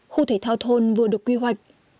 khu thể thao thôn vừa được quy hoạch